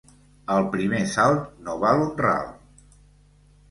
El primer salt, no val un ral.